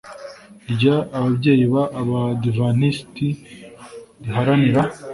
ry ababyeyi b abadiventisiti riharanira